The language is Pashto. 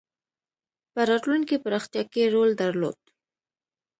په راتلونکې پراختیا کې رول درلود.